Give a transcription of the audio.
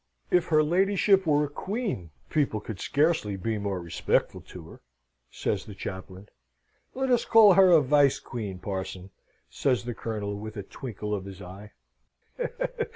"If her ladyship were a queen, people could scarcely be more respectful to her," says the chaplain. "Let us call her a vice queen, parson," says the Colonel, with a twinkle of his eye.